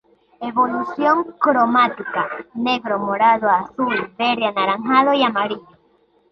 Evolución cromática: negro, morado, azul, verde, anaranjado y amarillo.